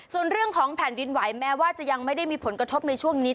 ส่วนเรื่องของแผ่นดินไหวแม้ว่าจะยังไม่ได้มีผลกระทบในช่วงนี้